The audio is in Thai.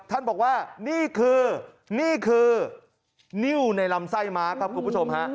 ท่านบอกว่านี่คือนี่คือนิ้วในลำไส้ม้าครับคุณผู้ชมฮะ